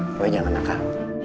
pokoknya jangan nakal